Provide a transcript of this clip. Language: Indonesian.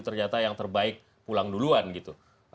ternyata yang terbaik pulang duluan gitu